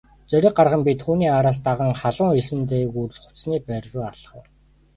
Зориг гарган би түүний араас даган халуун элсэн дээгүүр хувцасны байр руу алхав.